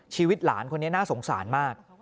ชีวิตหลานคนนี้น่าสงสารมาก